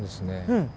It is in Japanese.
うん。